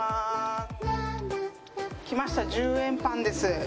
きました１０円パンです。